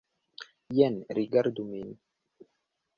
Jen, rigardu min.